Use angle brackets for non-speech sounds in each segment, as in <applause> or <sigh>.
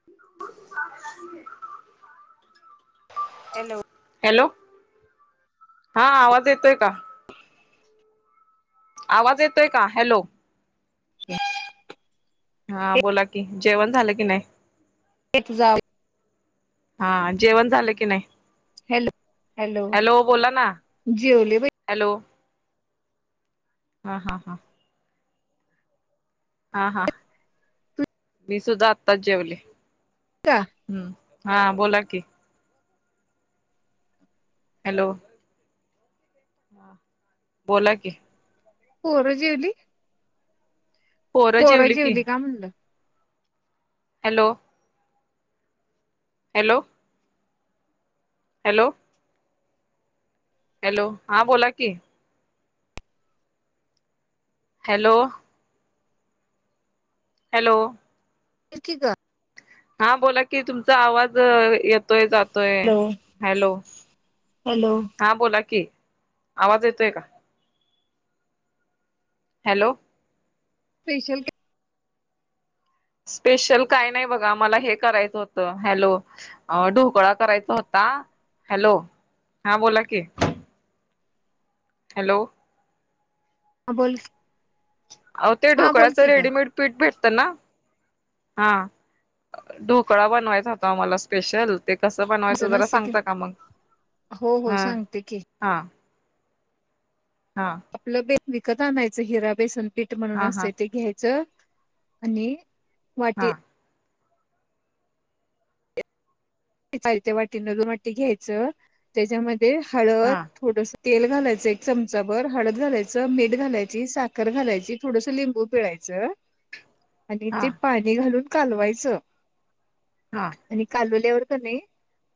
<unintelligible> Hello. Hello. हा आवाज येतोय का? ह <inaudible> आवाज येतोय का? हॅलो. अ् <inaudible> हा बोला की, जेवण झालं की नाही? ते तूझा आ हा जेवण झालं की नाही? हॅलो बोला ना. जेवली बाई हॅलो. हा-हा-हा. हा हा. मी सुद्धा आत्ताच जेवले. कत्ता <unintelligible> हम्म. हा बोला कि. हॅलो. हा बोला की. पोरं जेवली? पोरं जेवली का म्हणलं? हॅलो. हॅलो. हॅलो. हॅलो. हा बोला की. हॅलो. हॅलो. <unintelligible> फिकी का? हा बोला की, तुमचा आवाज येतोय जातो य. Hello hello. हॅलो. हा बोला कि, आवाज येतोय का? हॅलो. स्पेशल का स्पेशल काय नाही बघा. मला हे करायचं होत. हॅलो. अ ढोकळा करायचा होता. हॅलो. हा बोला की. हॅलो. ह बोल. अहो ते हा बोल ढोकळ्याचं की ग रेडीमेड पीठ भेटत ना? हा. ढोकळा बनवायचा होता ओ मला स्पेशल. ते कसं बनवायचं असं जरा नसते की सांगता का मग? हो ह. हो सांगते की हां. हां. आपलं बे विकत आणायचं. हिरा बेसन पीठ म्हणून हा हा असतंय. ते घ्यायचं. आणि वाटी हा चालत्या वाटीं न दोन वाटी घ्यायचं. त्याच्यामध्ये हळद. हा थोडस तेल घालायचं एक चमचाभर. हळद घालायचं, मीठ घालायची, साखर घालायची, थोडसं लिंबू पिळायचं. <unintelligible> आणि ते पाणी घालून कालवायचं. हा, आणि कालवल्यावर का नाही.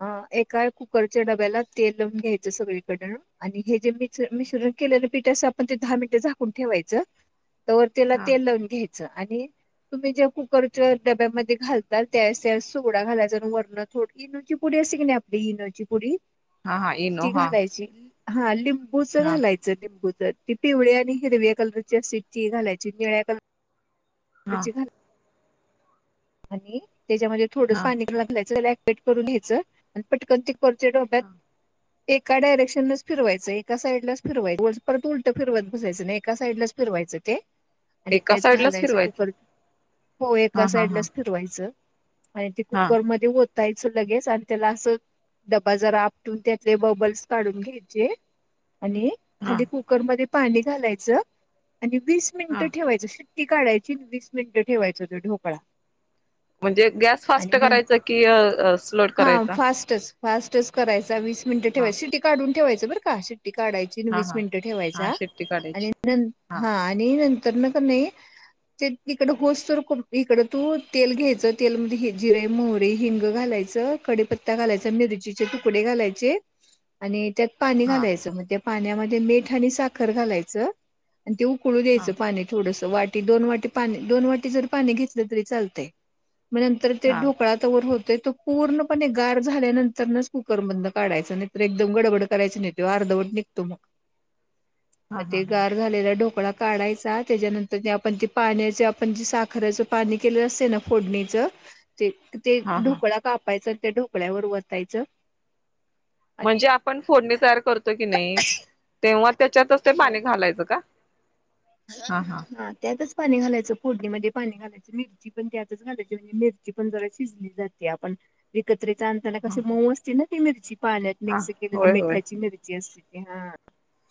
हा एका कुकरच्या डब्याला तेल लावून घ्यायचं सगळीकड. आणि हे जे मि मिश्रण केलेलं पीठाच आपण ते दहा मिनिटे झाकून ठेवायचं. तवर त्याला हा तेलय घ्यायचं. च आणि तुम्ही ज्या कुकरच्या डब्यामध्ये घालता त्या त्या सुगडा घालायचा वर्ण. थो इनोळची पुडी असे की नाही आपली इनोची पुडी हा हा इनो ती हा घालायची. हा लिंबूच हा घालाय. च लिंबूच ती पिवळ्या आणि हिरव कलरची असत्या ती घालायची निळ कलर. हा गची घाल. आणि त्याच्यामध्ये थोडस हा पा लागलायचं त्याला क्पेट करून घ्यायचं. आन पटकन कुकरच्या डब्यात. एका डायरेक्शनच फिरयचं एका साइडलाच फिरवायचं परत उलटं फिरवत बसायं नाही एका साइडला फिरवायचं ते. ह <inaudible> आणि त्यात घालायचं कुकर हो हा एका हा साईडला. हा फिरवायचं आणि ते हा कुकरमध्ये ओत. तायच लगेच आणि त्याला असं डबा जरा आपटून त्यातले बबल्स काढून घ्यायचे. आणि हा खाली कुकरमध्ये पाणी घालायचं आणि वीस मिनट हा ठेवायचं शी ''--'' ती काढयची वीस मिनिटं ठेवायचं होतो ढोकळा. म्हणजे गॅस फास्ट आणि न करायचा की स्लोट हा करायचा. फास्टच फास्टच करायचा वीस मिनट हा ठेवाय शिटी काढून ठेवायं बर का. शेट्टी काढायची हा वीस हा मिनिटं हा ठेवायचा शेट्टी काढायची आणि. न हा आणि नंतर न का नाही ते इकड होस तर इकड तू. तेल घ्यायचं तेलमध्ये जिरे मोहरीे हिंग घालायचं कडेपत्ता घालायचा मिरचीचे तुकडे घालायचे. चे, आणि त्यात पाणी हा घालायचं म्हण त्या पाण्यामध्ये मीठ आणि साखर घालायचं. आणि ते उकळू हा द्यायचं पाणी थोडंसं वाटी दोन वाटी पाणी दोन वाटी जर पाणी घेतलं तरी चालतं. तय मग नंतर ते हा हा ढोकळा तवर होते त. पूर्णपणे गार झाल्यानंतरच कुकरमध काढायं नाहीतर एकदम गडबड करायचं नाही ते अर्धवट. तुमक. <inaudible> मग ते हा गार झालेला ढोकळा. काढायचा त्याच्यानंतर आपण ते पाण्याचे आपण ज साखरच पाणी केलं अस. त्याला फोडणीच ते ते हा हा ढोकळा कापायचं आणि त्या ढोकळ्यावर वतायचं. आणि म्हणजे आपण फोडणी तयार करतो की नाही तेव्हा त्याच्यात. ते पाणी घालायचं का. हा हा, त्यातच पाणी घालायचं फोडणीमध्ये पाणी घालायचं. मिरची पण त्यातच घालायची म्हणजे मिरची पण जरा शिजली जाते आपण. विकत्रचा आणताना ह क मऊ असते ना ती मिरची. पाण्यात हा मिक्स केले होय होय मिठाची मिरची असते त हा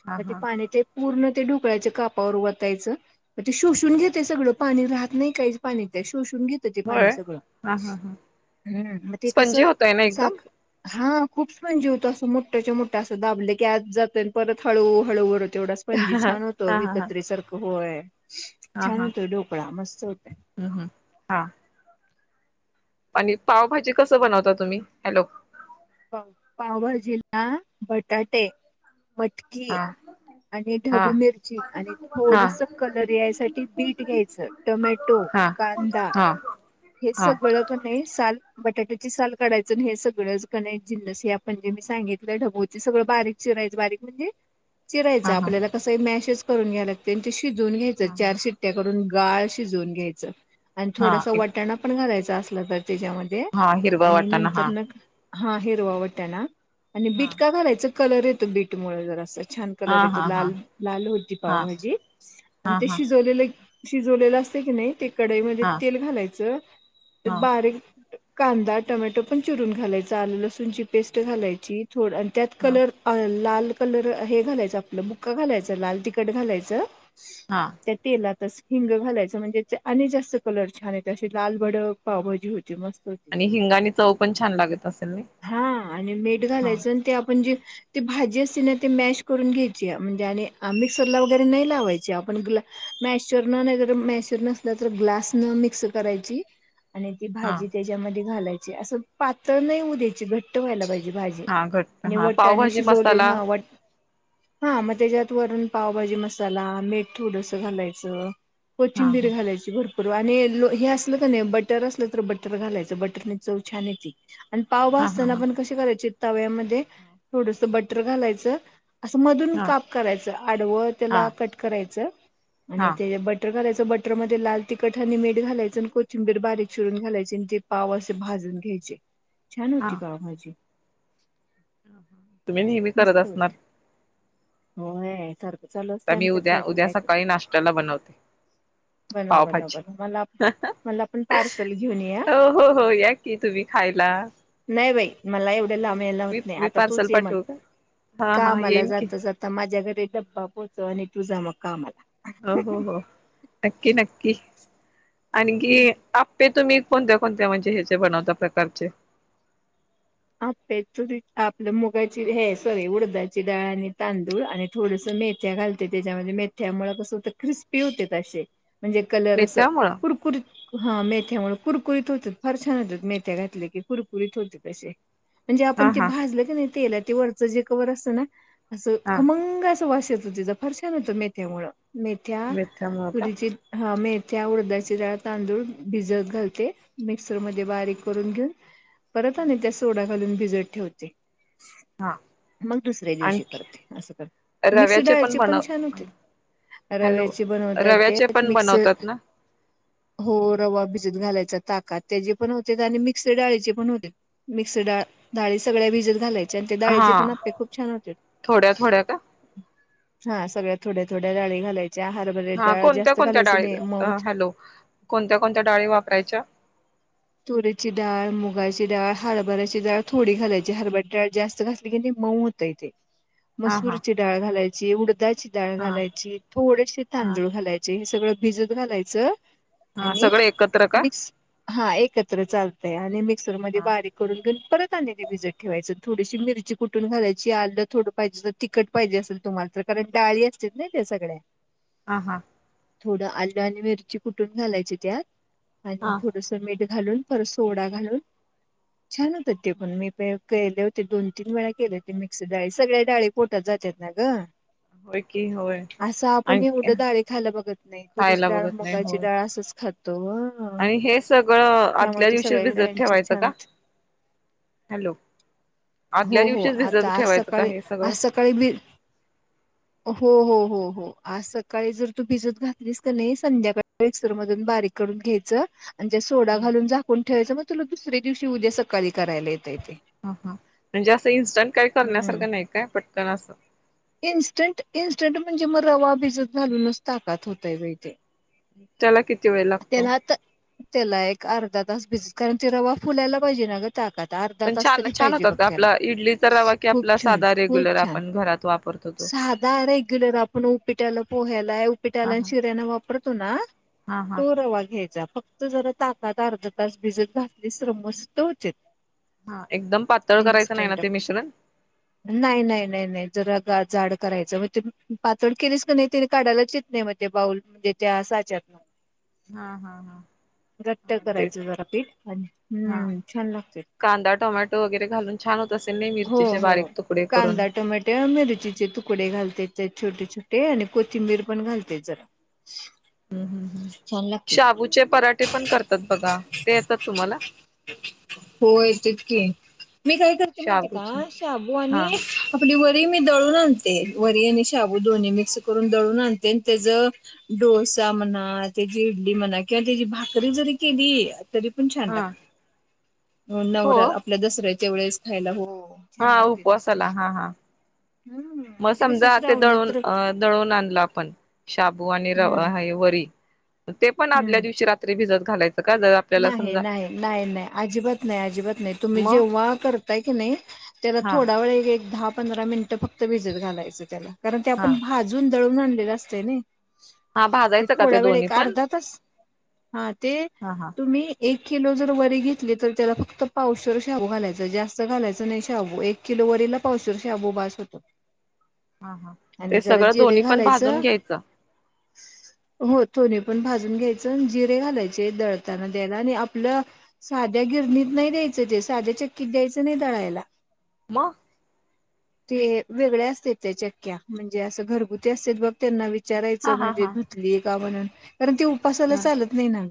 हा मग ते हा पाण्याचे. पूर्ण ते ढुकळायचं कापावर वायचं म ते शोषून घेतय सगळं. पाणी राहत नाही काही पाणी ते शोषून घेत. ते त्या होय पाणी सगळं हा हा हा हम् मग ते स्पंजी कसं होतय ना एकदम साख''--'' हा खूपच स्पंजी होतं असं मोठ्याच्या मोठ्या असं दाबले की आत जात परत हळूू हळू. तेवढाच पणजी हा छान होतो हा हा विकत्रेसारखं होय छान होतंय ढोकळा मस्त होतय. हम्म हम्म हा! आणि पावभाजी कसं बनवता तुम्ही? हॅलो! पाव पावभाजीला बटाटे, मटकी, हा आणि हा ढबू मिरची आणि हा हा थोडस कलर यायसाठी बीट घ्यायचं टोमॅटो, हा कांदा हा हे हा सगळकन‌इ साल बटाट्याची साल काढायचं हे सगळंच कन‌ई जिनसी आपण जे मी सांगितलं ढबोची सगळं बारीक चिरायचं बारीक म्हणजे, चिरायचं हा आपल्याला कसं मॅशच करून घ्या लागते, ते शिजून घ्यायच हा हा चारशिट त्या करून गाळ शिजवून घ्यायचं आणि हा थोडासा एक वटाणा पण घालायचा असलं तर त्याच्यामध्ये. ते हा हिरवा आणि वाटाणा नंतर हा नग हा हिरवा वटाणा आणि हा बीट का घालायचं कलर येतो बीटमुळे जरासं. छान कलर हा येतो हा हा लाल लाल होती हा पावभाजी आणि हा त्या हा शिजोवलेलं. शिजवलेलं असत की नाही ते कडईमध्ये हा तेल घालायचं हा बारी कांदा टोमॅटो पण चिरून घालायचा आल लसूणची पेस्ट घालायची थोड त्यात कलर लाल कलर हे घालायचं आपलं बुक्का घालायचं लाल तिखट घालायचं. हा. त्या तेलातच हिंग घालायचं म्हणजे आणि जास्त कलर छान येत असे लालभडक. आणि हिंगा आणि चव पण छान लागत असेल ना. हा आणि मीठ घालायचं आणि ते आपण जे, ते भाजी असते ना ते मॅश करून घ्यायची आहे, म्हणजे आणि मिक्सरला वगैरे नाही लावायची आपण गुला मॅशूर न नाहीतर मॅशूर नसला तर ग्लास न मिक्स करायची आणि ती हा भाजी त्याच्यामध्ये घालायची असं पातळ नाही होऊ द्यायची घट घट्ट व्हायला पाहिजे भाजी हा घट आणि हा वटाने पावभाजी शिजवले मसाला हा‌. हा मग त्याच्यात वरून पावभाजी मसाला मीठ थोडस घालायचं. हा कोथिंचिंभीर हा घालायची भरपूर आणि हे असलं का नाही बटर असलं तर बटर घालायचं बटरने चव छान येते. आणि पाव हा हा भजताना हा आपण कसे करायचे तव्यामध्ये थोडस बटर घालायचं. असं मधून हा काप करायचं आडवं हा त्याला कट करायचं हा आणि त्या बट बटर घालायच बटरमध्ये लाल तिखट आणि मीठ घाला जायचं कोचिबीर बारीक चिरून घालायची ते पाव असे भाजून घ्यायचे. छान होती हा पावभाजी. तुम्ही नेहमी करत मस्त असणार होते, होय तर तर मी उद्या उद्या सकाळी नाश्त्याला बनवते बनव बनव पावभाजी. बनव मला मला पण पार्सल घेऊन ये हा हो हो हो या की तुम्ही खायला. नाही बाई मला एवढे लाब यायला मी होत नाही, मी आता पार्सल तूच ये मण पाठवू का हा का हा मला येईन की जात जात आता माझ्या घरी डबा पोहोचव आणि तू जा मग कामला. हो हो हो नक्की नक्की आणखी आप ते तुम्ही कोणत्या कोणत्या म्हणजे ह्याचे बनवत प्रकारचे? आप त आपलं मुगाची हे सॉरी उडदाची डाळ आणि तांदूळ आणि थोडस मेथ्या घालते त्याच्यामध्ये मेथ्यामुळे कसं होत क्रिस्पी होते असे म्हणजे कलर असं मेथ्यामुळ कुरकुरीत हा मेथ्यामुळे कुरकुरीत होत्यात. फार छान होतात मेथ्या घातले की कुरकुरीत होते असे. म्हणजे आपण हा ते हा भाजलं की नाही तेला ते वरचं जे कवर असत ना. असं हा खमंग अस वास येत हो तिचा फार छान होतं मेथ्यामुळ मेथ त्या मेथ्यामुळ का तुरीची मेथ्या उडदाची डाळ तांदूळ भिजत घालते. मिक्सरमध्ये बारीक करून घेऊन, परत आणि त्या सोडा घालून भिजत ठेवते. हा. मग दुसऱ्या दिवशी आणखी करते. असं करते. मिक्स रव्याचे डाळीची पण छान बनव होते. हॅलो रव्याची बनवता येते रव्याचे पण मिक्स- बनवतात ना हो. रवा भिजत घालायचा ताकात. त्याचे पण होते आणि मिक्स डाळीचे पण होते. मिक्स डाळ. डाळी सगळ्या भिजत घालायच्या आणि ते हा डाळीचे पण आप्पे खूप छान होत्यात. थोड्या थोड्या का हा. सगळ्या थोड्या थोड्या डाळी घालायच्या हार हा. कोणत्या कोणत्या डाळी? हॅलो. कोणत्या कोणत्या डाळी वापरायच्या? तुरीची डाळ, मुगाची डाळ, हरभऱ्याची डाळ थोडी घालायची. हरभऱ्याची डाळ जास्त घा- -तली मग मऊ होतय ते. ह मसूरीची डाळ घालायची. उडदाची डाळ हा घालायची. थोडेसे हा तांदूळ घालायचे. हे सगळं भिजत घालायचं- हा आणि सगळे एकत्र का मिक्स. हा. एकत्र चालतय आणि मिक्सरमध्ये हा बारीक- करून ते परत आणि ते भिजत ठेवायंच. थोडीशी मिरची कुटून घालायची. आलं थोडं पाहिजे- तिखट पाहिजे असेल तुम्हाला तर. कारण डाळी असत्यात ना त्या सगळ्या. हा हा. थोडं आल आणि मिरची कुटून घालायची त्यात. आणि हा थोडंसं मीठ- घालून. परत सोडा घालून. छान होतात ते पण. मी प- केले होते. दोन तीन वेळा केले होते. मिक्स डाळी सगळ्या डाळी पोटात जात्यात ना ग? होय की होय असं आपण आणखी एवढ्या डाळी खायला बघत नाही. तुरीची खायला डाळ, बघत नाही मुगाची होय डाळ असंच खात- तो. आणि हेच- सगळं आदल्या दिवशी भिजत डाळींची ठेवायचं छान का? होते. हॅलो. आदल्या दिवशीच भिजत ठेवायचं का हे सगळं? काही भी. हो. हो. हो. हो. आज सकाळी जर तू भिजत घातलीस का नाही? संध्याकाळी मिक्सर मधून बारीक- करून घ्यायच आणि ते सोडा- ह घालून झाकून ठेवायचं. मग तुला दुसऱ्या दिवशी उद्या सकाळी करायला येतय ते. ह. हा. म्हणजे असं इन्स्टंट काही हम्म करण्यासारखं नाही काय? पटकन असं. इन्स्टंट. इन्स्टंट म्हणजे मग रवा भिजत घालूनच ताकात होतय बाई ते. त्याला किती वेळ लागतो? त्याला आता त्याला एक अर्धा तास भिजत-कारण ते रवा फुलायला पाहिजे ना ग? ताकात. अर्धा पण तास छान तरी छान पाहिजे होतात बघ का त्याला. आपला इडलीचा रवा की खूप आपला छान. साधा रेग्युलर खूप छान. आपण घरात वापरतो तो साधा रेग्युलर. आपण उप्पीटाला, पोह्याला हे हा उप्पीटाला आणि हा शिऱ्याला वापरतो ना? हा हा तो रवा घ्यायचा. फक्त जरा ताकात अर्धा तास भिजत घातलीस तर मस्त होत्यात. हा. एकदम पातळ करायचं नाही ना ते मिश्रण? नाही. नाही. नाही. नाही. जरा ग जाड करायचं. मग ते पातळ केलीस का नाही तिने काढायलाच येत नाही म. ते बाऊल म्हणजे त्या साच्यातन. हा. हा. हा. घट्ट हा तेच करायचं जरा पीठ आणि हा हम्म छान लागत. कांदा, टोमॅटो वगैरे घालून छान होत असेल नाही? हो मिरचीचे हो बारीक तुकडे करून. कांदा टोमॅटे मिरचीचे तुकडे घालते छोटे छोटे आणि कोथिंबीर पण घालते जरा. हम्म. हम्म. हम्. छान लागते शाबूचे पराठे पण करतात बघा ते येतात तुम्हाला? होय तेच की. मी काय करते माहितीये शाबूचे का शाबू हा आणि आपली वरी मी दळून आणते. वरी आणि शाबू दोन्ही मिक्स करून दळून आणते‌ आणि त्याच डोसा म्हणा त्याची इडली म्हणा, किंवा त्याची भाकरी जरी केली तरी पण छान हा लागते. नवरा हो आपल्या दसऱ्याच्या वेळेस खायला. हो हा छान लागते तशी उपवासला, हा हा हम्म मग कसं समजा ते श्रावणात दळून तर दळून आणल आपण शाबू आणि रवा हम्म हे वरी. ते पण हम्म आदल्या दिवशी रात्री भिजत घालायच का? ज नाही नाही नाही नाही अजिबात नाही. अजिबात नाही. तुम्ही मग जेव्हा करताय की नाही त्याला हा थोडा वेळ एक दहा पंधरा मिनिट फक्त भिजत घालायच त्याला. कारण ते हा आपण भाजून दळून आणलेल असत नही. हा ते भाजायचं का थोडा वेळ दोन्ही एक पण अर्धा तास हा ते हा हा तुम्ही एक किलो जर वरी घेतली तर त्याला फक्त पावशेर शाबू घालायच. जास्त घालायच नाही शाबू. एक किलो वरीला पावशर शाबू बास होतो. हा हा ते आणि जरा सगळ जिरे दोन्ही पण भाजून घालायचं घ्यायच. हो थोनी पण भाजून घ्यायच. आणि जिरे घालायचे दळ दळतांना द्यायला, आणि आपल साध्या गिरणीत नाही द्यायच ते. साध्या चक्कीत द्यायच नाही दळायला. मग ते वेगळ्या असत्यात त्या चक्क्या. म्हणजे अस घरगुती असते बघ त्यांना विचारायच हा हा हा म्हणजे का म्हणून, कारण ते उपासाला हा हा चालत नाही ना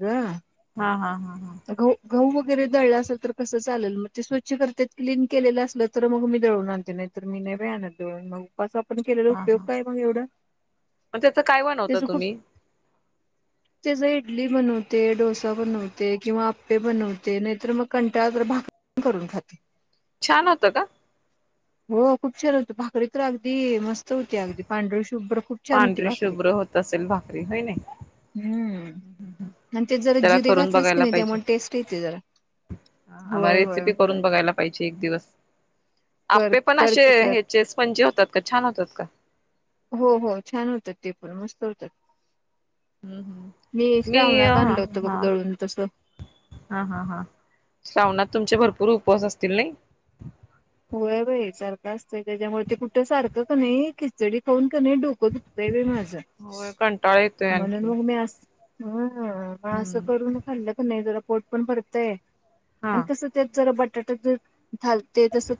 हा हा हा ग. गहू वगैरे दळल असेल तर कस चालेल. मग ते स्वच्छ करत्यात. क्लीन केलेल असल तर मग मी दळून आणते. नाही तर मी नइ बई आणत दळून मऊ. उपवास आपण केलेला उपयोग काय मग एवढ. मग त्याचं काय बनवता त्याच खूप तुम्ही <inaudible> त्याज इडली बनवते. डोसा बनवते‌. किंवा आप्पे बनवते. नाहीतर मग कंटाळात तर भाक करून खाते. छान होत का? हो खूप छान होत. भाकरी तर अगदी मस्त होती अगदी पांढरी शुभ्र. कुर पांढरी शुभ्र होत असेल भाकरी होय नी. हम्म. आणि त्यात जरा त्याला जिरे करून घातलेस की नाही त्यामुळे टेस्ट येते जरा. आम्हा होय होय रेसिपी होय. करून बघायला पाहिजे एक दिवस. कर आप्पे पण कर असे की कर ह्याचे स्पंजी होतात का? छान होतात का? हो हो छान होतात ते पण मस्त होतात. हम्म मी हम्म हा श्रावणात आणल होत बघ हा दळून तस. हा हा हा श्रावणात तुमचे भरपूर उपवास असतील नाही. होय बाई सारख असतय त्याज्यामुळ ते कुठ सारख कनय खिचडी खाऊन कनय डोक दुखतय बाई माझ. होय कंटाळा येतोय म्हणून आणखी मग मी अस ह मग अस हम्म करून खाल्ल कनय म जरा पोट पण भरतय. हा आणि कस त्यात जरा बटाटे घालते. ते तस